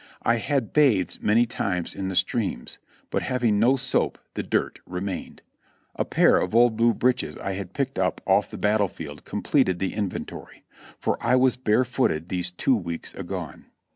I had bathed many times in the streams, but having no soap the dirt remained. A pair of old blue breeches I had picked up off the battle field completed the inventory, for I was barefooted these two week agone.